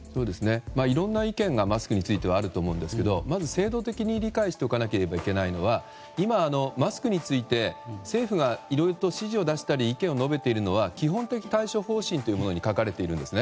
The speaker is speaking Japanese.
いろんな意見がマスクについてはあると思うんですけどまず、制度的に理解しておかなければいけないのは今、マスクについて政府がいろいろと指示を出したり意見を述べているのは基本的対処方針に書かれているんですね。